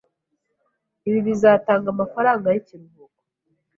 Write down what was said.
Ibi bizatanga amafaranga yikiruhuko?